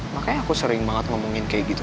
makanya aku sering banget ngomongin kayak gitu